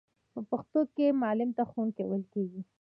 په پښتو کې معلم ته ښوونکی ویل کیږی.